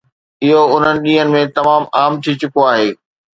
اهو انهن ڏينهن ۾ تمام عام ٿي چڪو آهي